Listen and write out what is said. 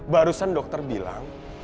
barusan dokter bilang